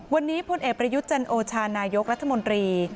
วันนี้พลเอกประยุทธ์จันโอชานายกรัฐมนตรี